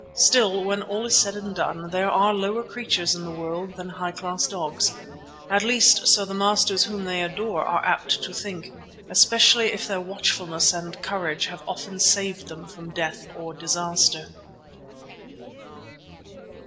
Still, when all is said and done, there are lower creatures in the world than high class dogs. At least so the masters whom they adore are apt to think, especially if their watchfulness and courage have often saved them from death or disaster.